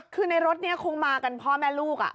คือในรถนี้คงมากันพ่อแม่ลูก